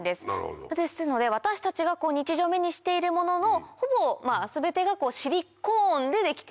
ですので私たちが日常目にしているもののほぼ全てがシリコーンでできてると。